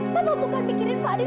papa bukan mikirin fadil